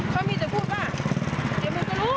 เขามีแต่พูดว่าเดี๋ยวมึงจะรู้